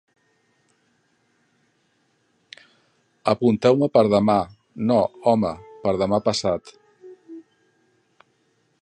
Apunteu-me per demà, no, home, per demà passat.